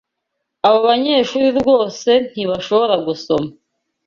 Abo banyeshuri rwose ntibashobora gusoma.